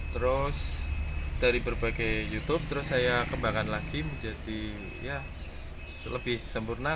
terus dari berbagai youtube terus saya kembangkan lagi menjadi ya lebih sempurna